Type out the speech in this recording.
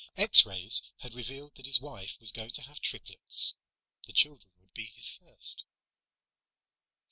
X rays had revealed that his wife was going to have triplets. The children would be his first.